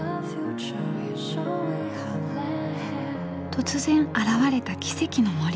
突然現れた奇跡の森。